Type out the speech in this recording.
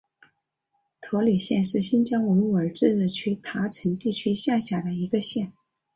托里县是新疆维吾尔自治区塔城地区下辖的一个县。